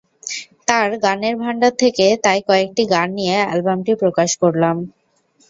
তাঁর গানের ভান্ডার থেকে তাই কয়েকটি গান নিয়ে অ্যালবামটি প্রকাশ করলাম।